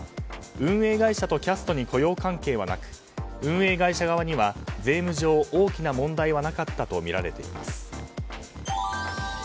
運営会社とキャストに雇用関係はなく運営会社側には税務上、大きな問題はなかったとみられています。